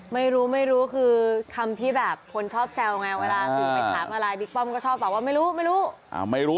ไม่รู้ไม่รู้คือคำที่แบบคนชอบแซวไงเวลาสื่อไปถามอะไรบิ๊กป้อมก็ชอบตอบว่าไม่รู้ไม่รู้